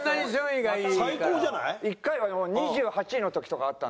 一回は２８位の時とかあった。